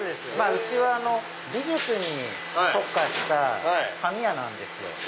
うちは美術に特化した紙屋なんですよ。